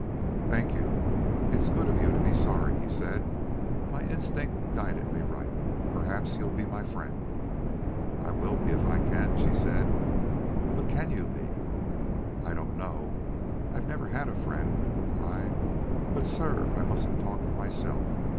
"Thank you. It's good of you to be sorry," he said. "My instinct guided me right. Perhaps you'll be my friend." "I will be if I can," she said. "But CAN you be?" "I don't know. I never had a friend. I... But, sir, I mustn't talk of myself....